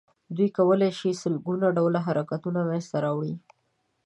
دوی کولای شي سل ګونه ډوله حرکت منځ ته راوړي.